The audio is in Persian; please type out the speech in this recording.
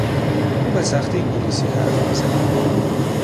او به سختی انگلیسی حرف میزند.